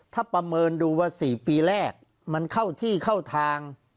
ถ้าประเมินดูว่า๔ปีแรกมันเข้าที่เข้าทาง